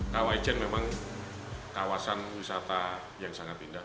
kawaijen memang kawasan wisata yang sangat indah